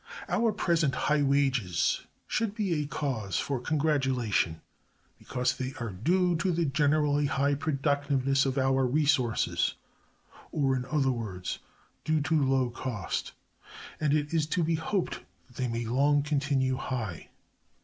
Our present high wages should be a cause for congratulation, because they are due to the generally high productiveness of our resources, or, in other words, due to low cost; and it is to be hoped that they may long continue high.